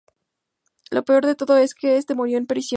Lo peor de todo es que este murió en prisión.